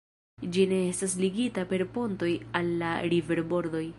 Ĝi ne estas ligita per pontoj al la riverbordoj.